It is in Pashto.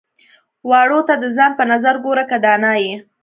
واړو ته د ځان په نظر ګوره که دانا يې.